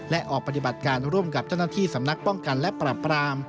และออกปฏิบัติการร่วมกับเจ้าหน้าที่สำนักป้องกันและปรับปราม